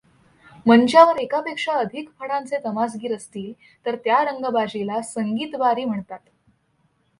मंचावर एकापेक्षा अधिक फडांचे तमासगीर असतील तर त्या रंगबाजीला संगीतबारी म्हणतात.